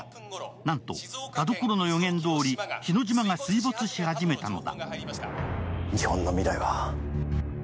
なんと田所の予言どおり日之島が沈み始めたのだ。